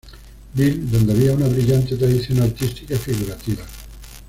Bill, donde había una brillante tradición artística figurativa.